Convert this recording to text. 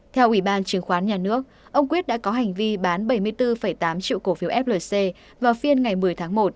theo ubnd ông quyết đã có hành vi bán bảy mươi bốn tám triệu cổ phiếu flc vào phiên ngày một mươi tháng một